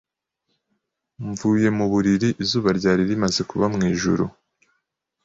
Mvuye mu buriri, izuba ryari rimaze kuba mwijuru.